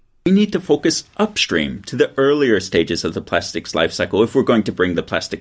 kita harus fokus ke atas ke tahap hidup plastik yang lebih awal jika kita akan menurunkan keadaan plastik